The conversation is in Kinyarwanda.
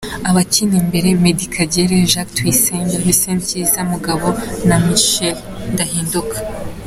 Abakina imbere: Meddie Kagere, Jacques Tuyisenge, Hussein Cyiza Mugabo na Michel Ndahinduka.